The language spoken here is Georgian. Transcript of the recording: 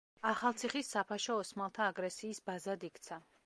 ახალციხის საფაშო ოსმალთა აგრესიის ბაზად იქცა.